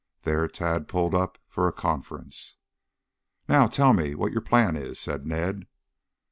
There Tad pulled up for a conference. "Now tell me what your plan is?" said Ned.